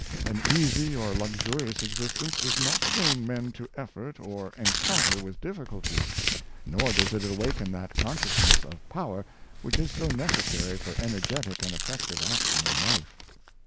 An easy or luxurious existence does not train men to effort or encounter with difficult}', nor does it awaken that consciousness of power which is so necessary for energetic and effective action in life.